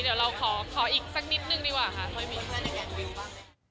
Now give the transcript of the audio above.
เดี๋ยวเราขออีกสักนิดหนึ่งดีกว่าค่ะ